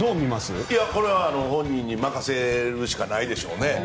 これは本人に任せるしかないでしょうね。